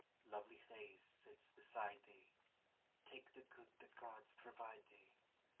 Lovely Thais sits beside thee, Take the good the gods provide thee.